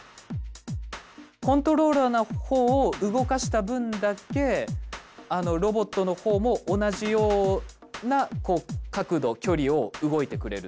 コントローラーのほうを動かした分だけロボットのほうも同じような角度距離を動いてくれる。